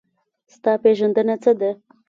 ستا پېژندنه څه ده؟